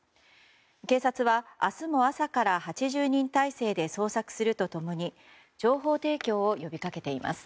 警察は明日も朝から８０人態勢で捜索すると共に捜索すると共に情報提供を呼び掛けています。